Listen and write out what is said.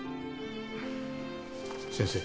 先生。